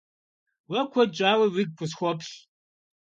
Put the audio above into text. Уэ куэд щӏауэ уигу къысхуоплъ.